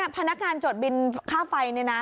พนักงานจดบินค่าไฟ